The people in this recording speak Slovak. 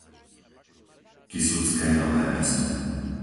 Kysucké Nové Mesto